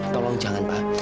tolong jangan pak